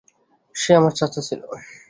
সে আমার চাচা ছিল।